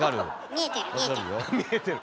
見えてる見えてる。